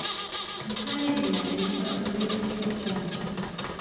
Nicméně víme, že jsme odpovědni svým občanům.